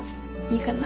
いいかな？